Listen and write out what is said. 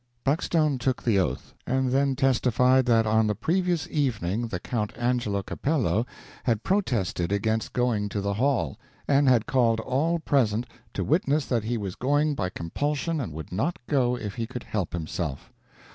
Buckstone took the oath, and then testified that on the previous evening the Count Angelo Capello had protested against going to the hall, and had called all present to witness that he was going by compulsion and would not go if he could help himself.